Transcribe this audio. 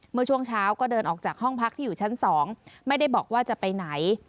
เมื่อช่วงเช้าก็เดินออกจากห้องพักที่อยู่ชั้น๒ไม่ได้บอกว่าจะไปไหน